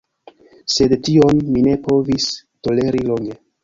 Sed, tion mi ne povis toleri longe.